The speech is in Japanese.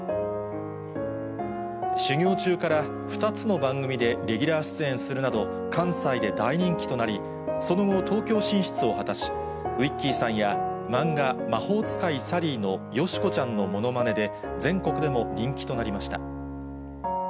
修業中から２つの番組でレギュラー出演するなど、関西で大人気となり、その後、東京進出を果たし、ウィッキーさんや漫画、魔法使いサリーのよしこちゃんのものまねで全国でも人気となりました。